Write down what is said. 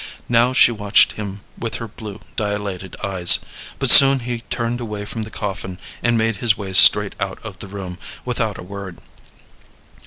Now she watched him with her blue dilated eyes. But soon he turned away from the coffin and made his way straight out of the room, without a word.